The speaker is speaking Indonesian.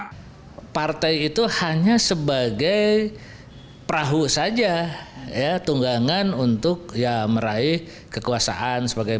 hai partai itu hanya sebagai perahu saja ya tunggangan untuk ya meraih kekuasaan sebagai